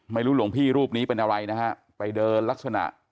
หลวงพี่รูปนี้เป็นอะไรนะฮะไปเดินลักษณะ